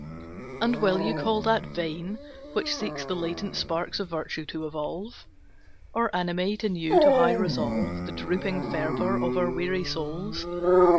And will you call that vain, which seeks The latent sparks of virtue to evolve, Or animate anew to high resolve, The drooping fervor of our weary souls?